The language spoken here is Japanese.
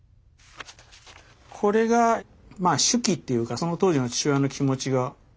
これがまあ手記っていうかその当時の父親の気持ちが。